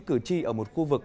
cử tri ở một khu vực